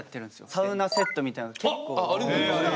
サウナセットみたいなの結構。